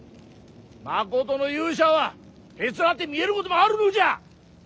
まことの勇者はへつらって見えることもあるのじゃ。